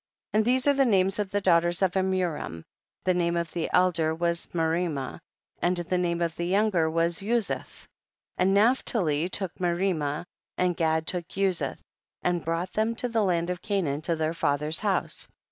10. And these are the names of the daughters of Amuram ; the name of the elder was Merimah, and the name of the younger Uzith ; and Naphtali took Merimah, and Gad took Uzith ; and brought them to the land of Canaan, to their father's house.